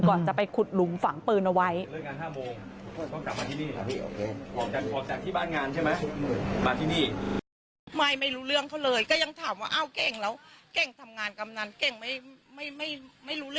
ก่อนจะไปขุดหลุมฝังปืนเอาไว้